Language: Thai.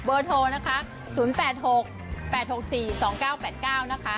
เบอร์โทร๐๘๖๘๖๔๒๙๘๙นะคะ